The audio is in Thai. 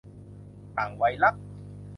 ต่างวัยรัก